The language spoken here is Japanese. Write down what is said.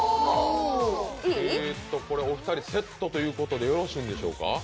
お二人、セットということでよろしいんでしょうか？